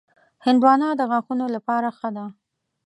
هندوانه د غاښونو لپاره ښه ده.